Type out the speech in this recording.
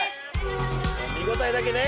見応えだけね！